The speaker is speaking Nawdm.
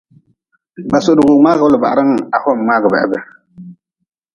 Ba-n suhda nid-wu mngaagʼbe libahre-n ha hom mngaagʼbe hebe.